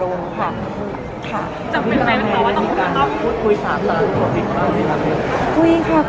จะเป็นไงบ้างคะว่าต้องการพูดคุยสามารถ